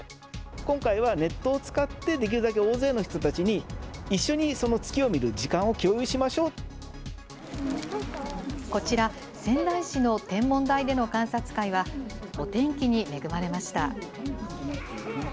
今回はネットを使ってできるだけ大勢の人たちに、一緒に月をこちら、仙台市の天文台での観察会はお天気に恵まれました。